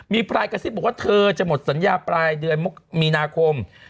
มีพลายกระซิบบอกว่าเธอจะหมดสัญญาปลายเดือนมีนาคม